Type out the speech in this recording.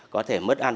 có thể mất ăn